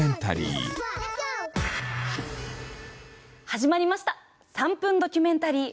始まりました「３分ドキュメンタリー」。